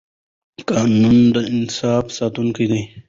قانون د انصاف ساتونکی دی